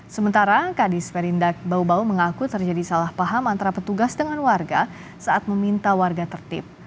sementara kadis perindak bau bau mengaku terjadi salah paham antara petugas dengan warga saat meminta warga tertib